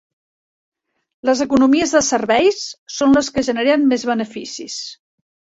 Les economies de serveis són les que generen més beneficis.